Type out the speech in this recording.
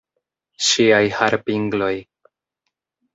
Ŝiaj harpingloj.